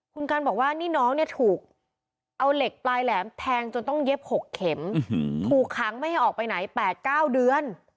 คุณกันบอกว่านี่น้องเนี่ยถูกเอาเหล็กปลายแหลมแทงจนต้องเย็บ๖เข็มถูกขังไม่ให้ออกไปไหน๘๙เดือน